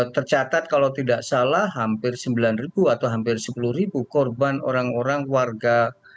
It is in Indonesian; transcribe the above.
tercatat kalau tidak salah hampir sembilan ribu atau hampir sepuluh ribu korban orang orang warga